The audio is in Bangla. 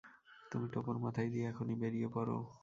তুমি টোপর মাথায় দিয়ে এখনই বেরিয়ে পড়ো।